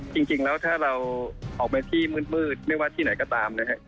จริงแล้วถ้าเราออกไปที่มืดไม่ว่าที่ไหนก็ตามนะฮะ